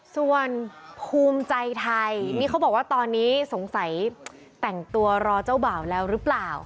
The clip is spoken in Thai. ส่วนภูมิใจไทยนี่เขาบอกว่าตอนนี้สงสัยแต่งตัวรอเจ้าบ่าวแล้วหรือเปล่า